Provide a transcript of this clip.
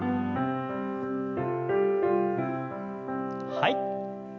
はい。